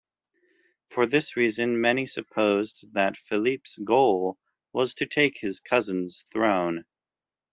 For this reason, many supposed that Philippe's goal was to take his cousin's throne.